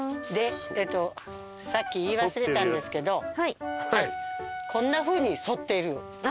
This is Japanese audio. でえっとさっき言い忘れたんですけどこんなふうに反っている。